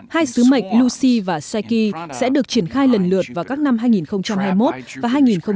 hai xứ mệnh lucy và psyche sẽ được triển khai lần lượt vào các năm hai nghìn hai mươi một và hai nghìn hai mươi ba